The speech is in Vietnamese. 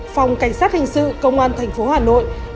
phòng cảnh sát hình sự công an tp hà nội